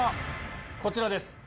こちらです。